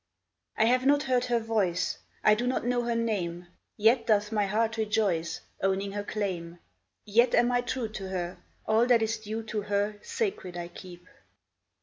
I have not heard her voice, I do not know her name ; Yet doth my heart rejoice. Owning her claim ; Yet am I true to her ; All that is due to her Sacred I keep.